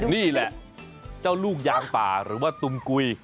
นี่แหละเจ้าลูกยางป่าหรือว่าตุมกุย